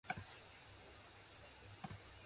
Extensions of this fetish include shoes and tickling.